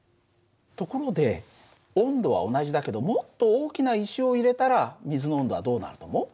ところで温度は同じだけどもっと大きな石を入れたら水の温度はどうなると思う？